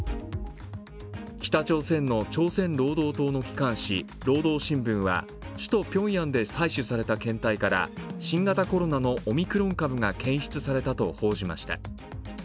北朝鮮の朝鮮労働党の機関紙「労働新聞」は首都ピョンヤンで採取された検体から新型コロナのオミクロン株が検出されたと報じました。